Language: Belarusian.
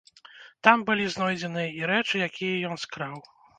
Там былі знойдзеныя і рэчы, якія ён скраў.